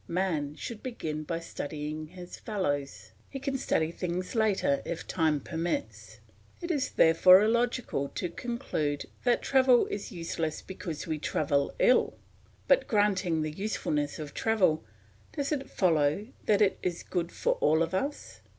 Man should begin by studying his fellows; he can study things later if time permits. It is therefore illogical to conclude that travel is useless because we travel ill. But granting the usefulness of travel, does it follow that it is good for all of us?